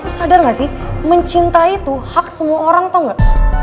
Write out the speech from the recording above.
sadar gak sih mencintai itu hak semua orang tuh gak